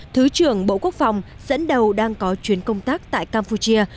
thứ trưởng bộ quốc phòng dẫn đầu đang có chuyến công tác tại campuchia